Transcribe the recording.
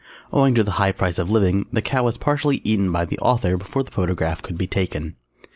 Owing to the high price of living the cow was partially eaten by the author before the photograph could be taken.